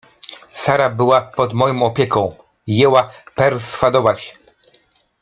— Sara była pod moją opieką — jęła perswadować.